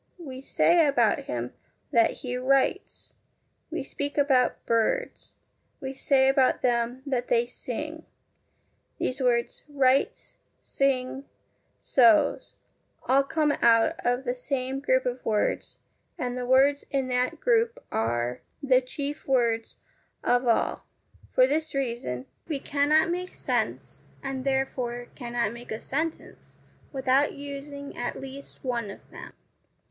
We say about him that he 'writes.' We speak about ' birds.' We say about them that they ' sing.' These words, writes, sing, sews, all come out of the same group of words, and the words in that group are LESSONS AS INSTRUMENTS OF EDUCATION 299 the chief words of all, for this reason we cannot make sense, and therefore cannot make a sentence, without using at least one of them.